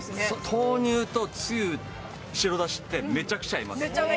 豆乳とつゆ、白だしってめちゃくちゃ合います。